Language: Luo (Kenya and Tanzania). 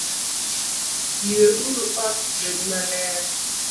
Yue uru ot obed maler